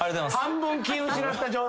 半分気失った状態で。